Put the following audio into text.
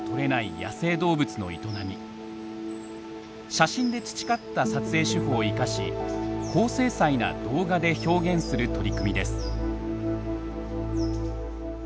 写真で培った撮影手法を生かし高精細な動画で表現する取り組みです。